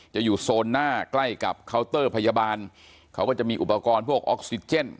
จะอยู่โซนหน้าใกล้กับเคาน์เตอร์พยาบาลเขาก็จะมีอุปกรณ์พวกออกซิเจน